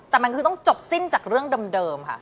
แต่มันคือต้องจบสิ้นจากเรื่องเดิมค่ะ